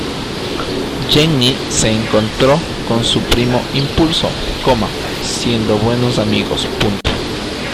Jenni se encontró con su primo Impulso, siendo buenos amigos.